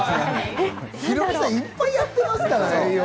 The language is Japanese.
ヒロミさん、いっぱいやってますからね。